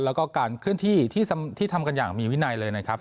แล้วก็การเคลื่อนที่ที่ทำกันอย่างมีวินัยเลยนะครับ